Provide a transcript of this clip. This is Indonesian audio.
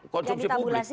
yang di tabulasi